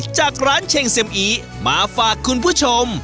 จากร้านเชงเซ็มอีมาฝากคุณผู้ชม